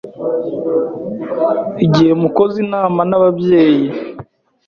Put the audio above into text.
Igihe mukoze ineme n’ebebyeyi